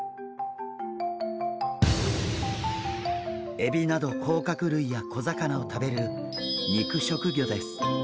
エビなどこうかくるいや小魚を食べる肉食魚です。